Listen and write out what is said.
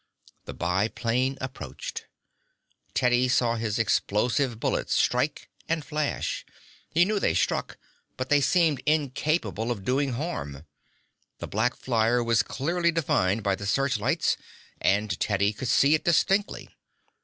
The biplane approached. Teddy saw his explosive bullets strike and flash. He knew they struck, but they seemed incapable of doing harm. The black flyer was clearly defined by the searchlights, and Teddy could see it distinctly.